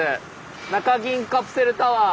中銀カプセルタワー。